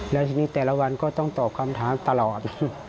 แล้วทีนี้แต่ละวันก็ต้องตอบคำถามตลอด